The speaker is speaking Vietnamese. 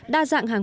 đa dạng hàng